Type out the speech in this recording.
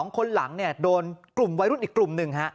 ๒คนหลังโดนกลุ่มวัยรุ่นอีกกลุ่มหนึ่ง